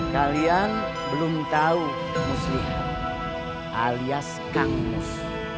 kalian belum tau muslihat alias kang mus